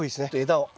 枝を。